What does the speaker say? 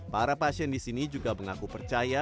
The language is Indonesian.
para pasien di sini juga mengaku percaya